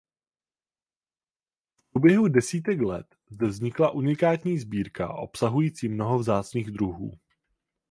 V průběhu desítek let zde vznikla unikátní sbírka obsahující mnoho vzácných druhů.